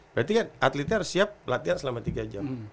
berarti kan atletnya harus siap latihan selama tiga jam